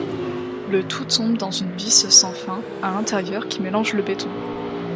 Le tout tombe dans une vis sans fin à l'intérieur qui mélange le béton.